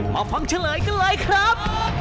มาฟังเฉลยกันเลยครับ